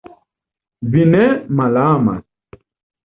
Vi ne malamas!